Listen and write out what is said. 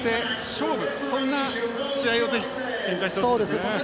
そんな試合をぜひ展開してほしいですね。